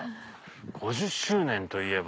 ５０周年といえば。